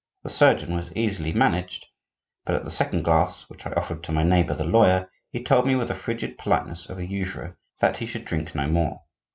The surgeon was easily managed; but at the second glass which I offered to my neighbor the lawyer, he told me with the frigid politeness of a usurer that he should drink no more.